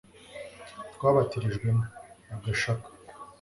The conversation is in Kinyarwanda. twabatirijwemo, agashaka